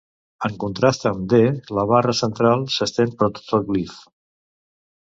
En contrast amb Ð la barra central s'estén per tot el glif.